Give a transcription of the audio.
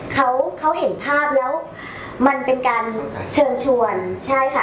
เขาเขาเห็นภาพแล้วมันเป็นการเชิญชวนใช่ค่ะ